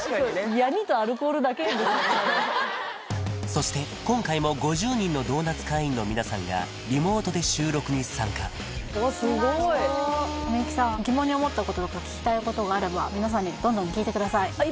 そして今回も５０人のドーナツ会員の皆さんがリモートで収録に参加おっすごい幸さん疑問に思ったこととか聞きたいことがあれば皆さんにどんどん聞いてくださいあっ